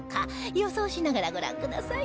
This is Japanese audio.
予想しながらご覧ください